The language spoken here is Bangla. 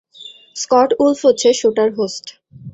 স্কট উলফ হচ্ছে শোটার হোস্ট।